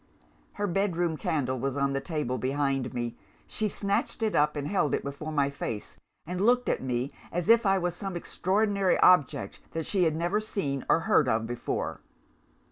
"Her bedroom candle was on the table behind me. She snatched it up and held it before my face, and looked at me as if I was some extraordinary object that she had never seen or heard of before!